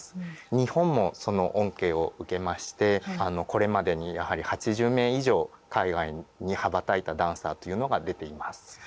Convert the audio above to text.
日本もその恩恵を受けましてこれまでにやはり８０名以上海外に羽ばたいたダンサーというのが出ています。